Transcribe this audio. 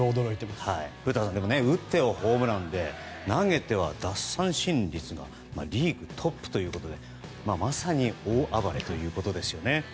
古田さん打ってはホームランで投げては奪三振率がリーグトップということでまさに大暴れということですね。